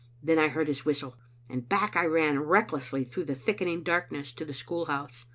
Then I heard his whistle, and back I ran recklessly through the thickening darkness to the school house.